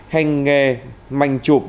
hành nghề manh chụp